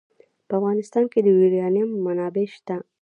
په افغانستان کې د یورانیم منابع شته.